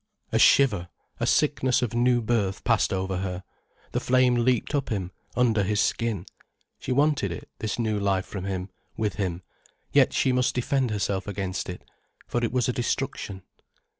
A shiver, a sickness of new birth passed over her, the flame leaped up him, under his skin. She wanted it, this new life from him, with him, yet she must defend herself against it, for it was a destruction.